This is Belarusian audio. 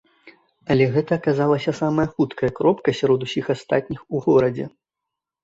Але гэта аказалася самая хуткая кропка сярод усіх астатніх у горадзе.